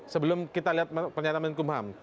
sebelum kita lihat pernyataan menkum ham